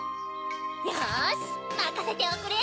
よしまかせておくれ！